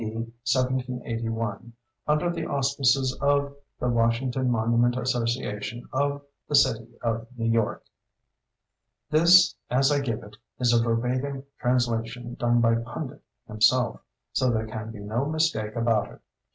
D. 1781 Under the Auspices of the Washington Monument Association of the city of New York This, as I give it, is a verbatim translation done by Pundit himself, so there can be no mistake about it.